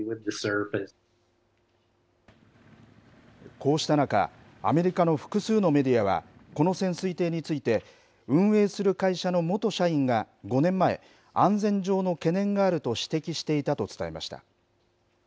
こうした中、アメリカの複数のメディアは、この潜水艇について、運営する会社の元社員が５年前、安全上の懸念があると指摘していたと伝えました。